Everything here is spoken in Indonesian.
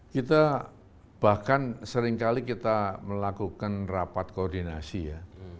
kita bahkan seringkali kita melakukan rapat koordinasi ya